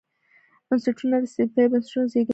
بنسټونه د استبدادي بنسټونو زېږنده ده.